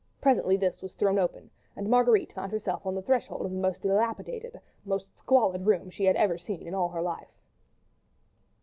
Presently this was thrown open, and Marguerite found herself on the threshold of the most dilapidated, most squalid room she had ever seen in all her life.